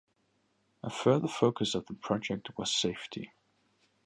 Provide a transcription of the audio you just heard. A further focus of the project was safety.